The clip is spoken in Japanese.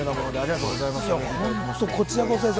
こちらこそです。